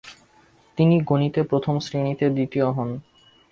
তিনি গণিতে প্রথম শ্রেণীতে দ্বিতীয় হন।